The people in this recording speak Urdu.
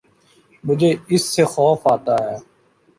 مجھے اس سے خوف آتا ہے